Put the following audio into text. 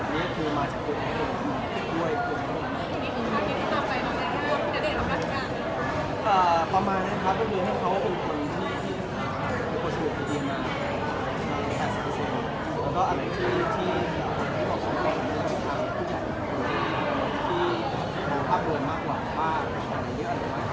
ที่มีภาพรวมมากกว่าภาพอันตรายเยอะหรือเป็นภาพอันตรายเยอะ